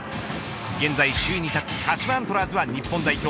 現在首位に立つ鹿島アントラーズは日本代表